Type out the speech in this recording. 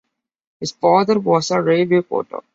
His father was a railway porter.